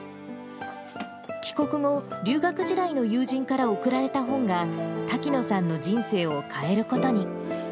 帰国後、留学時代の友人から贈られた本が、滝野さんの人生を変えることに。